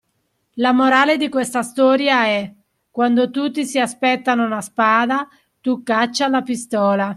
La morale di questa storia è: quando tutti si aspettano una spada, tu caccia la pistola.